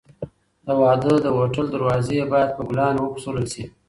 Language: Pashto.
د واده د هوټل دروازې باید په ګلانو وپسولل شي.